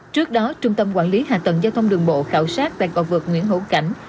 trước đó trung tâm quản lý hạ tầng giao thông đường bộ khảo sát toàn cầu vượt nguyễn hữu cảnh